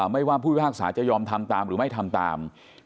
ไม่ว่าผู้พิพากษาจะยอมทำตามหรือไม่ทำตาม